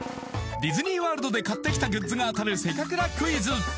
ディズニー・ワールドで買ってきたグッズが当たるせかくらクイズ